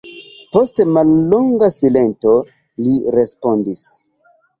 Post mallonga silento, li respondis: